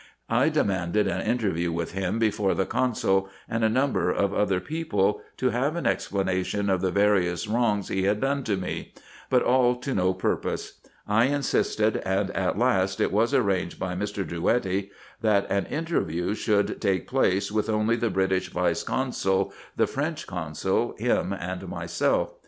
I demanded an interview with him before the consul, and a number of other people, to have an explanation of the various wrongs he had done to me ; but all to no purpose. I insisted, and at last it was arranged by Mr. Drouetti, that an 3k2 436 RESEARCHES AND OPERATIONS interview should take place with only the British vice consul, the French consul, him, and myself.